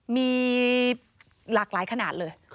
มีหลากหลายขนาดเลย